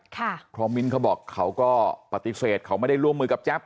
เพราะมิ้นเขาบอกเขาก็ปฏิเสธเขาไม่ได้ร่วมมือกับแป๊บ